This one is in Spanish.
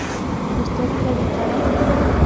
usted predicará